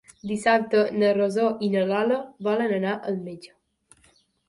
Dissabte na Rosó i na Lola volen anar al metge.